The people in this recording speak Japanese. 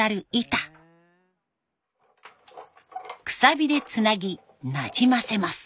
くさびでつなぎなじませます。